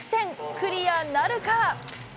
クリアなるか？